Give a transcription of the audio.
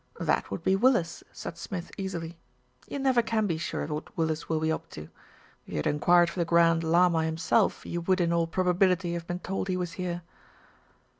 "That would be Willis," said Smith easily. "You never can be sure what Willis will be up to. If you had enquired for the Grand Llama himself, you would, / in all probability, have been told he was here."